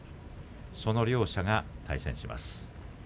その両者が対戦します。